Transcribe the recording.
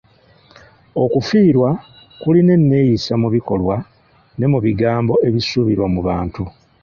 Okufiirwa kulina enneeyisa mu bikolwa ne mu bigambo ebisuubirwa mu bantu.